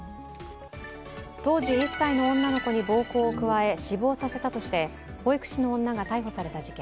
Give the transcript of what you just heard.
当時１歳の女の子に暴行を加え死亡させたとして保育士の女が逮捕された事件。